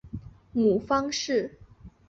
母方氏。